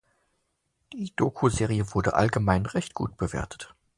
Die Dokuserie wurde allgemein recht gut bewertet.